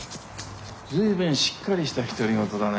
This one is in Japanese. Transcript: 随分しっかりした独り言だね。